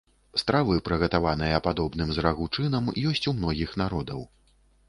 Стравы, прыгатаваныя падобным з рагу чынам, ёсць у многіх народаў.